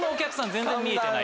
全然見えてない。